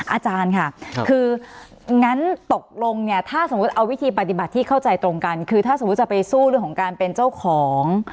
อาจารย์ค่ะคืองั้นตกลงเนี่ยถ้าสมมุติเอาวิธีปฏิบัติที่เข้าใจตรงกันคือถ้าสมมุติจะไปสู้เรื่องของการเป็นเจ้าของ